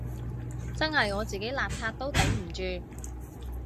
真係我自己邋遢都頂唔住